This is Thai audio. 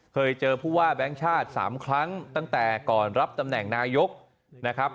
เคยเจอผู้ว่าแบงค์ชาติ๓ครั้งตั้งแต่ก่อนรับตำแหน่งนายกนะครับ